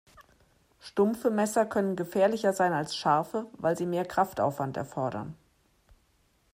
Stumpfe Messer können gefährlicher sein als scharfe, weil sie mehr Kraftaufwand erfordern.